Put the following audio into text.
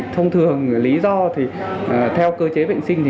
thông thường lý do thì theo cơ chế vệ sinh